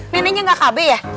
neneknya enggak kb ya